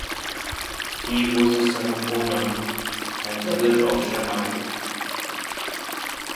He was the son of Onam and brother of Shammai.